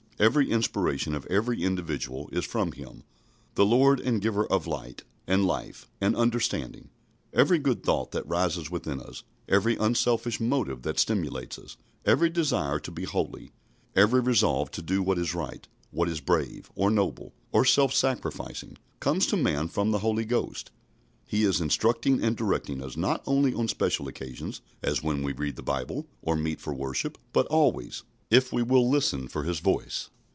Every inspiration of every individual is from Him, the Lord and Giver of light, and life, and understanding. Every good thought that rises within us, every unselfish motive that stimulates us, every desire to be holy, every resolve to do what is right, what is brave, or noble, or self sacrificing, comes to man from the Holy Ghost. He is instructing and directing us not only on special occasions, as when we read the Bible or meet for worship, but always, if we will listen for His voice.